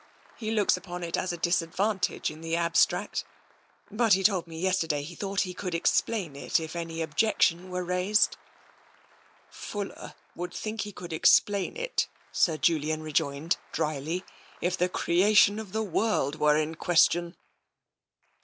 " He looks upon it as a disadvantage in the abstract, but he told me yesterday that he thought he could explain it if any objection were raised." Fuller would think he could explain it," Sir Julian rejoined drily, "if the creation of the world were in question."